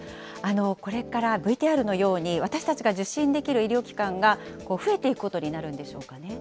これからＶＴＲのように、私たちが受診できる医療機関が増えていくことになるんでしょうか